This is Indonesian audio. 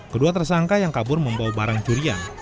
kedua tersangka yang kabur membawa barang curian